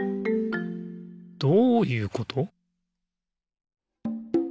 どういうこと？